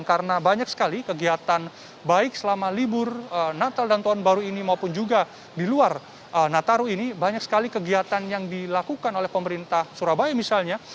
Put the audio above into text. karena banyak sekali kegiatan baik selama libur natal dan tuhan baru ini maupun juga di luar natal ini banyak sekali kegiatan yang dilakukan oleh pemerintah surabaya misalnya